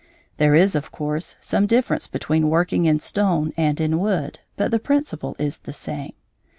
There is, of course, some difference between working in stone and in wood, but the principle is the same.